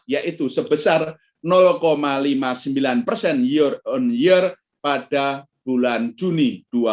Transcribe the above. yaitu sebesar lima puluh sembilan persen year on year pada bulan juni dua ribu dua puluh